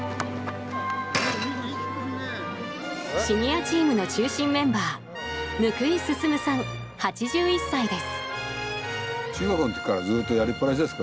シニアチームの中心メンバー貫井進さん、８１歳です。